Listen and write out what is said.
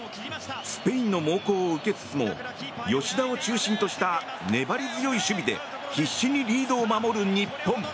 スペインの猛攻を受けつつも吉田を中心とした粘り強い守備で必死にリードを守る日本。